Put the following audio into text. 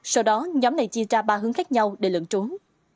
sau đó nhóm này chia ra ba hướng khác nhau để lận trốn